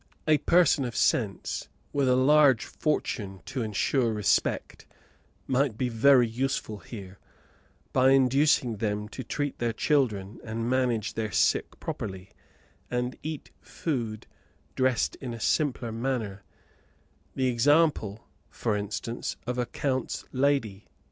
A person of sense, with a large fortune to ensure respect, might be very useful here, by inducing them to treat their children and manage their sick properly, and eat food dressed in a simpler manner the example, for instance, of a count's lady.